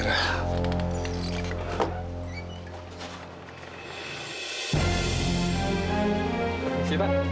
terima kasih pak